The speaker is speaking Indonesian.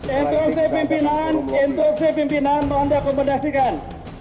interupsi pimpinan interupsi pimpinan mohon diakomodasikan